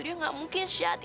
dia gak mungkin sehat itu